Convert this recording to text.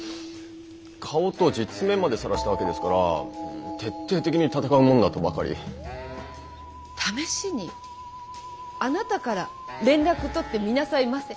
顔と実名までさらしたわけですから徹底的に戦うもんだとばかり。試しにあなたから連絡取ってみなさいませ。